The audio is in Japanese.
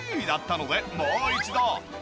だったのでもう一度。